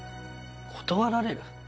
断られる？